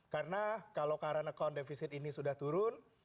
karena kalau karena account defisit ini sudah turun